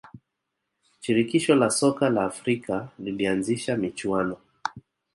shirikisho la soka la afrika lilianzisha michuano